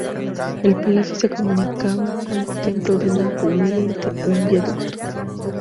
El palacio se comunicaba con el templo de Nabu mediante un viaducto.